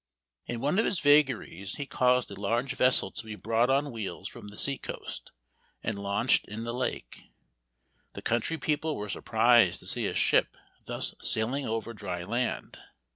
In one of his vagaries, he caused a large vessel to be brought on wheels from the sea coast and launched in the lake. The country people were surprised to see a ship thus sailing over dry land.